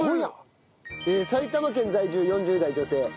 埼玉県在住４０代女性